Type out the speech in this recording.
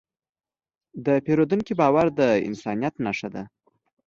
د پیرودونکي باور د انسانیت نښه ده.